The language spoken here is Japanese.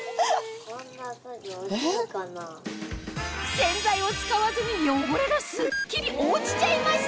洗剤を使わずに汚れがスッキリ落ちちゃいました